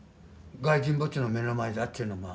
外人墓地の目の前だっちゅうのが。